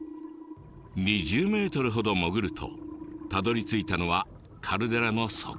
２０ｍほど潜るとたどりついたのはカルデラの底。